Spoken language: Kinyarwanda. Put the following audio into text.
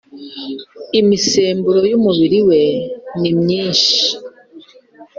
imisemburo y’umubiri we ni myinshi.